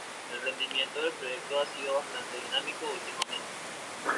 El rendimiento del proyecto ha sido bastante dinámico últimamente.